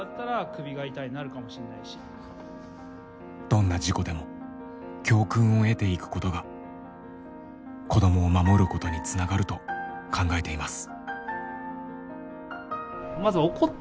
どんな事故でも教訓を得ていくことが子どもを守ることにつながると考えています。